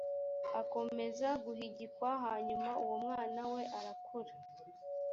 akomeza guhigikwa hanyuma uwo mwana we arakura